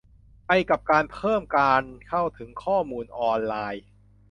ไปกับการเพิ่มการเข้าถึงข้อมูลออนไลน์ ?